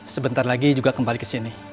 sebentar lagi juga kembali kesini